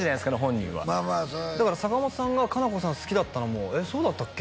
本人はだから坂本さんがカナコさんを好きだったのもえっそうだったっけ？